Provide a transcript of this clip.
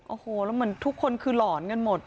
โอ้โหแล้วเหมือนทุกคนคือหลอนกันหมด